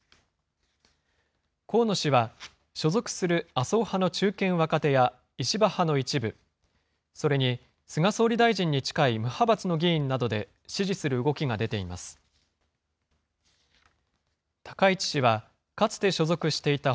河野氏は、所属する麻生派の中堅・若手や石破派の一部、それに菅総理大臣に近い無派閥の議員などで支持する動きが出ています。